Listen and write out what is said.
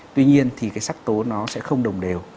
tuy nhiên thì cái sắc tố nó sẽ không đồng đều